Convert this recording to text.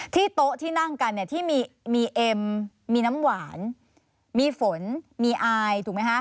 โต๊ะที่นั่งกันเนี่ยที่มีเอ็มมีน้ำหวานมีฝนมีอายถูกไหมฮะ